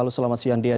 halo selamat siang dia